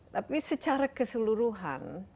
tapi secara keseluruhan